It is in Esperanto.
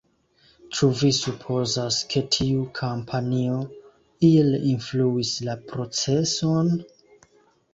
Ĉu vi supozas, ke tiu kampanjo iel influis la proceson?